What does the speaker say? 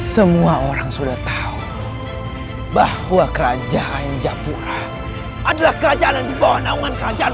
semua orang sudah tahu bahwa kerajaan jatuh adalah kerajaan yang dibawa naungan kerajaan